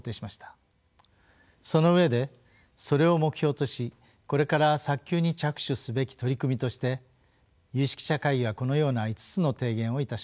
その上でそれを目標としこれから早急に着手すべき取り組みとして有識者会議はこのような５つの提言をいたしました。